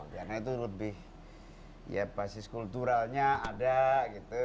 karena itu lebih ya fasis kulturalnya ada gitu